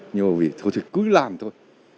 nhưng mà vì thôi thì cứ làm thôi